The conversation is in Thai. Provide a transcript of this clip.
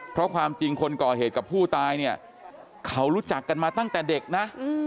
เพราะความจริงคนก่อเหตุกับผู้ตายเนี่ยเขารู้จักกันมาตั้งแต่เด็กนะ